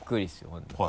本当に。